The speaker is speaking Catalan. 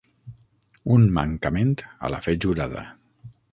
Un mancament a la fe jurada.